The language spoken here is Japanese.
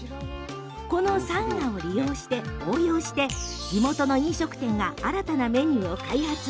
この、さんがを応用して地元の飲食店が新たなメニューを開発。